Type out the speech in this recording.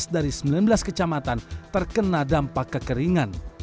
tujuh belas dari sembilan belas kecamatan terkena dampak kekeringan